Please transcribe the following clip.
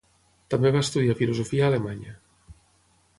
També va estudiar filosofia a Alemanya.